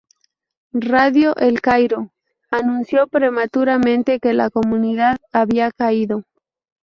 Radio El Cairo anunció prematuramente que la comunidad había caído.